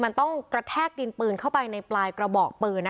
มันต้องกระแทกดินปืนเข้าไปในปลายกระบอกปืน